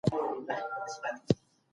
وریځ هم یو څه رڼا پرېږدي.